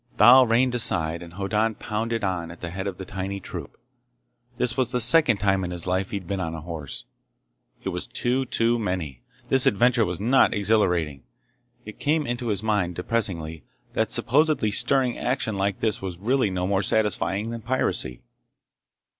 Thal reined aside and Hoddan pounded on at the head of the tiny troop. This was the second time in his life he'd been on a horse. It was two too many. This adventure was not exhilarating. It came into his mind, depressingly, that supposedly stirring action like this was really no more satisfying than piracy.